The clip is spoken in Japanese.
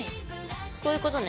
こういうことね。